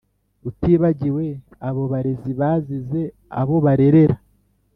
Utibagiwe abo barezi Bazize abo barerera !